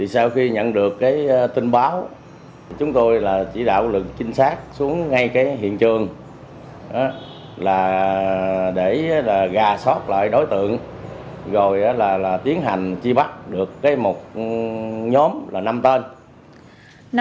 sau khi nhận được tin báo chúng tôi chỉ đạo lực chính xác xuống ngay hiện trường để gà sót lại đối tượng rồi tiến hành chi bắt được một nhóm năm tên